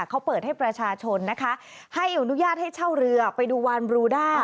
เขาเปิดให้ประชาชนนะคะให้อนุญาตให้เช่าเรือไปดูวานบรูด้า